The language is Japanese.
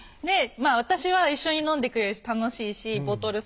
私は一緒に飲んでくれるし楽しいしボトル